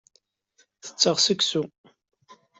Tetteɣ seksu.